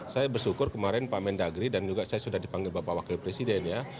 saya bersyukur kemarin pak mendagri dan juga saya sudah dipanggil bapak wakil presiden ya